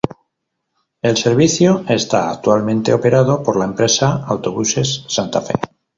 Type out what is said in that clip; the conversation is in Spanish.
El servicio está actualmente operado por la empresa Autobuses Santa Fe.